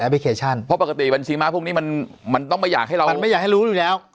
พลิเคชันเพราะปกติบัญชีม้าพวกนี้มันต้องไม่อยากให้เรามันไม่อยากให้รู้อยู่แล้ว